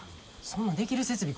そんなんできる設備